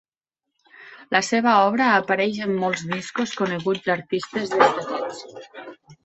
La seva obra apareix en molts discos coneguts d'artistes destacats.